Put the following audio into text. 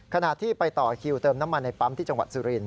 ขณะที่ไปต่อคิวเติมน้ำมันในปั๊มที่จังหวัดสุรินท